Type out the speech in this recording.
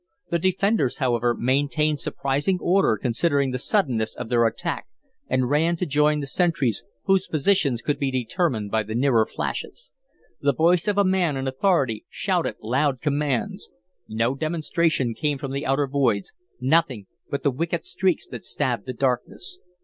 The defenders, however, maintained surprising order considering the suddenness of their attack, and ran to join the sentries, whose positions could be determined by the nearer flashes. The voice of a man in authority shouted loud commands. No demonstration came from the outer voids, nothing but the wicked streaks that stabbed the darkness.